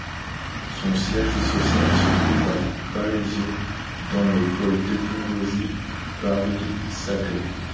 Son siège social se trouve à Palaiseau, dans le pôle technologique Paris-Saclay.